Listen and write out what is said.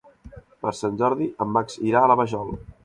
Per Sant Jordi en Max irà a la Vajol.